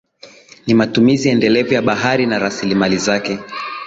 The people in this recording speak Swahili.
Ni matumizi endelevu ya bahari na rasilimali zake